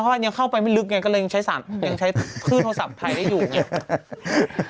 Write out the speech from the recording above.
เพราะว่ายังเข้าไปไม่ลึกไงก็เลยยังใช้คลื่นโทรศัพท์ภัยได้อยู่ไง